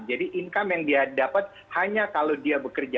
jadi income yang dia dapat hanya kalau dia bekerja